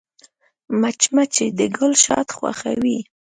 مچمچۍ د ګل شات خوښوي